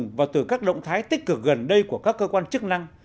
người tiêu dùng và từ các động thái tích cực gần đây của các cơ quan chức năng